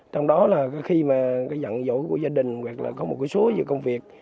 trong đó là khi mà dặn dỗ của gia đình hoặc là có một số gì công việc